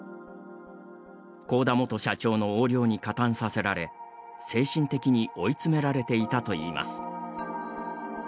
幸田元社長の横領に加担させられ精神的に追い詰められていたといいます。